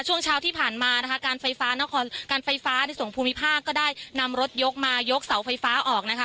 ช่วงเช้าที่ผ่านมานะคะการไฟฟ้านครการไฟฟ้าในส่วนภูมิภาคก็ได้นำรถยกมายกเสาไฟฟ้าออกนะคะ